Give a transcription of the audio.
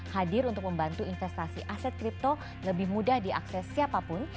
hadir untuk membantu investasi aset kripto lebih mudah diakses siapapun